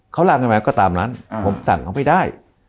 เขารักจะไงก็ตามมันผมสั่งไม่ได้